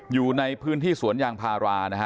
อยู่ในพื้นที่สวนยางภารา